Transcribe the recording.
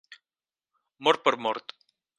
Mort per mort.